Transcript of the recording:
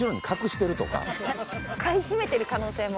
買い占めてる可能性も？